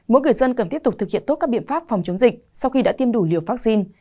mỗi người dân cần tiếp tục thực hiện tốt các biện pháp phòng chống dịch sau khi đã tiêm đủ liều vaccine